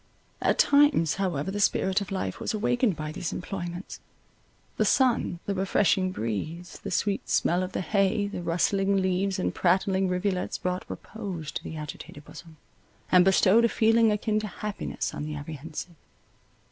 At times however the spirit of life was awakened by these employments; the sun, the refreshing breeze, the sweet smell of the hay, the rustling leaves and prattling rivulets brought repose to the agitated bosom, and bestowed a feeling akin to happiness on the apprehensive.